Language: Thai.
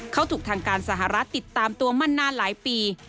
เขาถูกทางการสหรัฐติดตามตัวมานานหลายปี